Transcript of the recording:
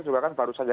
juga kan baru saja